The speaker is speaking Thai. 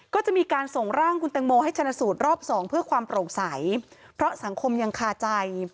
ก็จะมีการส่งร่างคุณแตงโมให้ชนะสูตรรอบสองเพื่อความโปร่งใสเพราะสังคมยังคาใจ